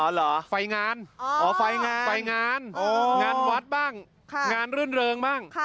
อ๋อเหรอไฟงานไฟงานงานวัดบ้างงานเรื่องบ้าง